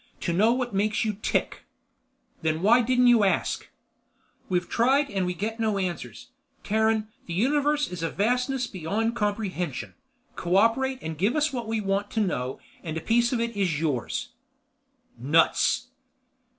To know what makes you tick." "Then why didn't you ask?" "We've tried and we get no answers. Terran, the Universe is a vastness beyond comprehension. Co operate and give us what we want to know and a piece of it is yours." "Nuts!"